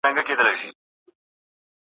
دیني لاره د هر ډول ګمراهۍ مخه نیسي.